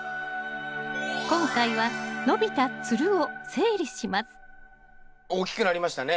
今回は伸びたつるを整理します大きくなりましたね。